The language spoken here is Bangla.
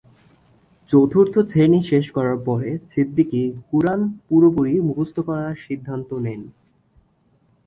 চতুর্থ শ্রেণি শেষ করার পরে সিদ্দিকী কুরআন পুরোপুরি মুখস্থ করার সিদ্ধান্ত নেন।